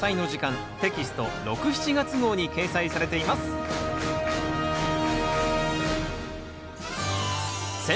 テキスト６・７月号に掲載されています選